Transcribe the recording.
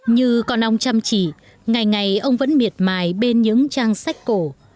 như con ong chăm chỉ ngày ngày ông vẫn miệt mài bên những trang sách cổ